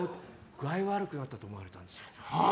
具合悪くなったと思われたんですよ。